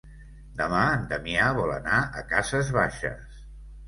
Demà en Damià vol anar a Cases Baixes.